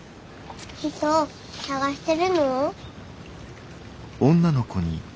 人を探してるの？